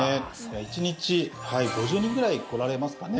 １日５０人ぐらい来られますかね。